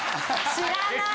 知らない！